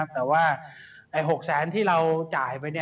แต่ว่า๖๐๐๐๐๐บาทที่เราจ่ายไป